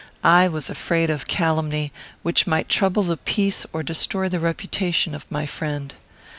I was afraid of calumny, which might trouble the peace or destroy the reputation of my friend.